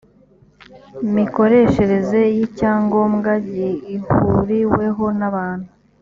mikoreshereze y icyangombwa gihuriweho n abantu